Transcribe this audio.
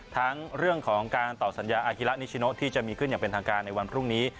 ทั้งเรื่องของการตอบสัญญาอาฮิระนิชโนที่จะมีขึ้นอย่างเป็นทางการในวันพรุ่งนี้